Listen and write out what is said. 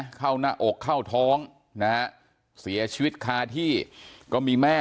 ที่เกิดเกิดเหตุอยู่หมู่๖บ้านน้ำผู้ตะมนต์ทุ่งโพนะครับที่เกิดเกิดเหตุอยู่หมู่๖บ้านน้ำผู้ตะมนต์ทุ่งโพนะครับ